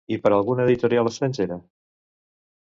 I per a alguna editorial estrangera?